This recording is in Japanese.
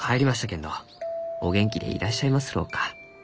けんどお元気でいらっしゃいますろうか？